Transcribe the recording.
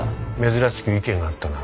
珍しく意見が合ったな。